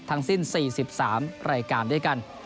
ทั้งสิ้น๔๓รายการด้วยกัน